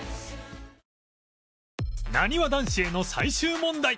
なにわ男子への最終問題